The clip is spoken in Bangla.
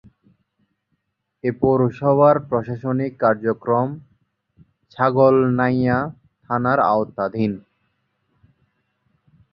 এ পৌরসভার প্রশাসনিক কার্যক্রম ছাগলনাইয়া থানার আওতাধীন।